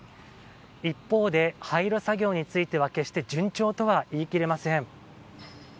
一方で、廃炉作業については決して順調とは言い切れません。